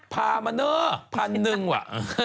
ภาเมอร์๑๐๐๐ว่ะ